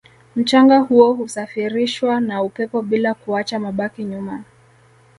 mchanga huo husafirishwa na upepo bila kuacha mabaki nyuma